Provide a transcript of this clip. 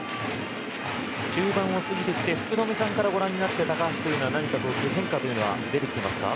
中盤をすぎてきて福留さんからご覧になって高橋奎二は何か変化は出てきていますか。